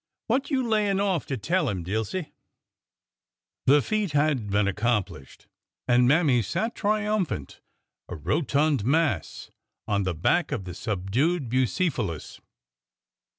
What you layin' oE to tell 'em, Dilsey ?" The feat had been accomplished, and Mammy sat tri umphant, a rotund mass, on the back of the subdued Bu cephalus.